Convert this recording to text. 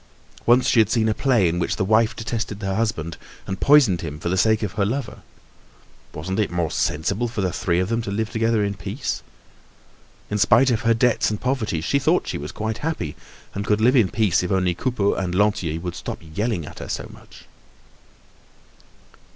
Once she had seen a play in which the wife detested her husband and poisoned him for the sake of her lover. Wasn't it more sensible for the three of them to live together in peace? In spite of her debts and poverty she thought she was quite happy and could live in peace if only Coupeau and Lantier would stop yelling at her so much.